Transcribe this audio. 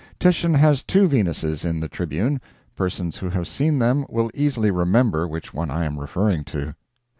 Titian has two Venuses in the Tribune; persons who have seen them will easily remember which one I am referring to.